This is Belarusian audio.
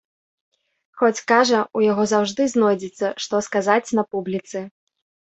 Хоць, кажа, у яго заўжды знойдзецца, што сказаць на публіцы.